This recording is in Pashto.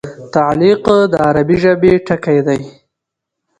تعلیق د عربي ژبي ټکی دﺉ.